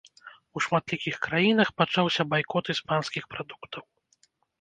У шматлікіх краінах пачаўся байкот іспанскіх прадуктаў.